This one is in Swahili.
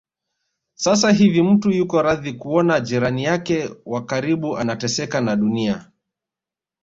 Sasa hivi mtu yuko radhi kuona jirani yake wa karibu anateseka na Dunia